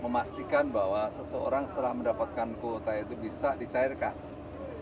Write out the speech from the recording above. hai bahwa seseorang sebelah mendapatkan kota itu bisa dicairkan hene contohnya gimana tempat adalah